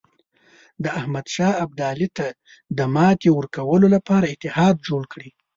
د احمدشاه ابدالي ته د ماتې ورکولو لپاره اتحاد جوړ کړي.